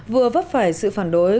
vừa vấp phải sự phản đối